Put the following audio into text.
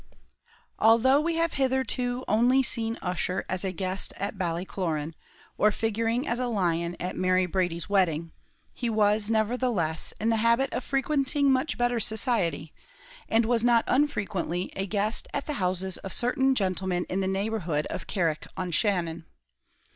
Although we have hitherto only seen Ussher as a guest at Ballycloran, or figuring as a lion at Mary Brady's wedding, he was, nevertheless, in the habit of frequenting much better society, and was not unfrequently a guest at the houses of certain gentlemen in the neighbourhood of Carrick on Shannon.